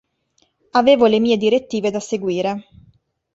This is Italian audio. Avevo le mie direttive da seguire.